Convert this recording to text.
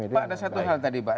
pak ada satu hal tadi pak